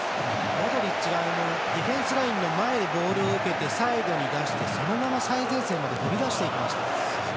モドリッチがディフェンスラインの前でボールを受けてサイドに出してそのまま最前線まで飛び出していきました。